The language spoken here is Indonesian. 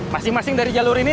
masing masing dari jalur ini